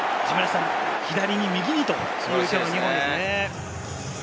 左に右にという２本ですね。